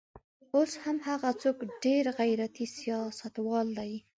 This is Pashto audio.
اوس هم هغه څوک ډېر غیرتي سیاستوال دی.